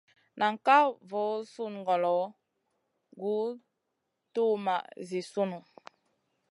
Nan kal voo sùn ŋolo guʼ tuwmaʼ Zi sunu.